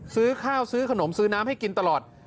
ซื้อข้าวซื้อขนมซื้อน้ำให้กินตลอด